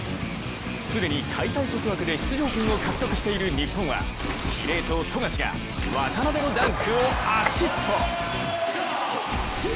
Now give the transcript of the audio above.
既に開催国枠で出場権を獲得している日本は司令塔・富樫が渡邉のダンクをアシスト。